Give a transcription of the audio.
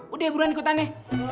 udah buruan ikut aneh